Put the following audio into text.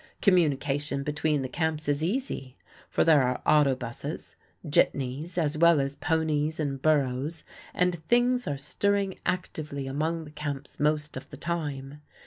Communication between the camps is easy, for there are auto buses, "jitneys," as well as ponies and burros, and things are stirring actively among the camps most of the time.